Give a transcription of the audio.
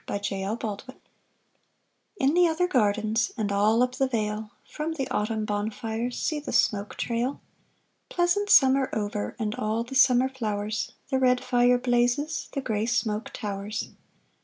VI Autumn Fires In the other gardens And all up the vale, From the autumn bonfires See the smoke trail! Pleasant summer over And all the summer flowers, The red fire blazes, The grey smoke towers.